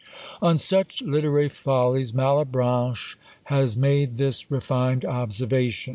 On such literary follies Malebranche has made this refined observation.